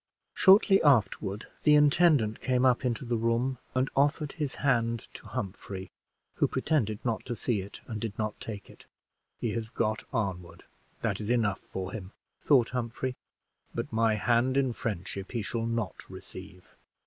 Shortly afterward the intendant came up into the room and offered his hand to Humphrey, who pretended not to see it, and did not take it. "He has got Arnwood: that is enough for him," thought Humphrey; "but my hand in friendship he shall not receive."